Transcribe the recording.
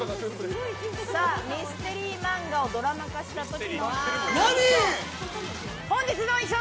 ミステリー漫画をドラマ化した時の衣装。